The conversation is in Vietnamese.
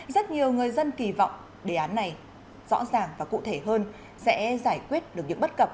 rất nhiều người dân kỳ vọng đề án này rõ ràng và cụ thể hơn sẽ giải quyết được những bất cập